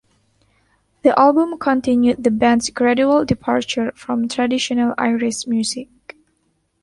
The album continued the band's gradual departure from traditional Irish music.